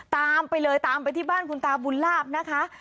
ตามไปเลยตามไปที่บ้านคุณตาบุญลาบนะคะ